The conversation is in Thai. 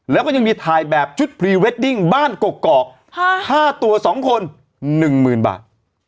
และยังมีถ่ายแบบชุดพรีเวดดิ้งบ้านเกาะ๕ตัว๒คน๑หมื่นบาท